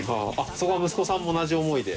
そこは息子さんも同じ思いで？